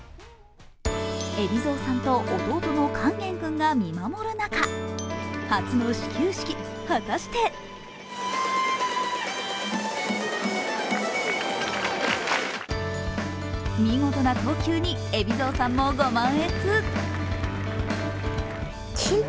海老蔵さんと弟の勸玄君が見守る中初の始球式、果たして見事な投球に海老蔵さんもご満悦。